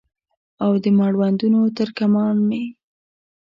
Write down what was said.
او د مړوندونو تر کمان مې